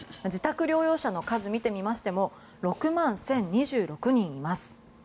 自宅療養者の数を見てみましても６万１０２６人います。